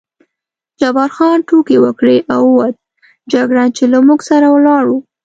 جبار خان ټوکې وکړې او ووت، جګړن چې له موږ سره ولاړ و.